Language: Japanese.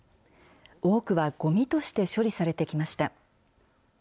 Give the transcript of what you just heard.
多くはごみとして処理されてきました。